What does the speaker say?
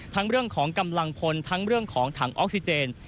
เรื่องของกำลังพลทั้งเรื่องของถังออกซิเจน